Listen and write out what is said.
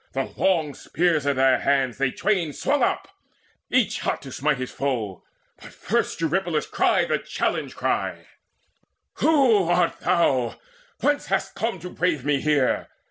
The long spears in their hands They twain swung up, each hot to smite his foe. But first Eurypylus cried the challenge cry; "Who art thou? Whence hast come to brave me here?